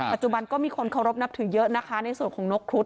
ปัจจุบันก็มีคนเคารพนับถือเยอะนะคะในส่วนของนกครุฑ